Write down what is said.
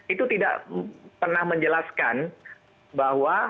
itu tidak pernah menjelaskan bahwa